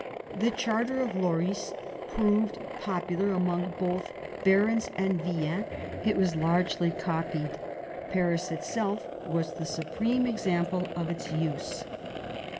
The charter of Lorris proved popular among both barons and villeins. It was largely copied. Paris itself was the supreme example of its use.